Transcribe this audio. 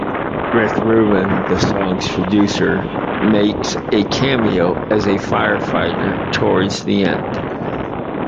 Rick Rubin, the song's producer, makes a cameo as a firefighter towards the end.